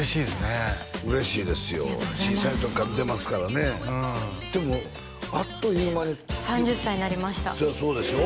ありがとうございます小さい時から見てますからねでもあっという間に３０歳になりましたそうでしょ？